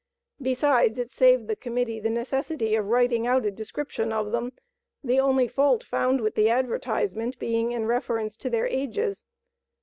Besides it saved the Committee the necessity of writing out a description of them, the only fault found with the advertisement being in Reference to their ages.